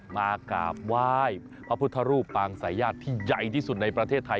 มากราบไหว้พระพุทธรูปปางสายญาติที่ใหญ่ที่สุดในประเทศไทย